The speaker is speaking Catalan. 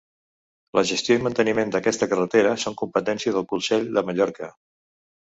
La gestió i manteniment d'aquesta carretera són competència del Consell de Mallorca.